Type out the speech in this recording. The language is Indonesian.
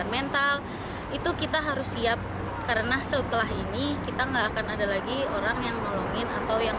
mental itu kita harus siap karena setelah ini kita enggak akan ada lagi orang yang nolongin atau yang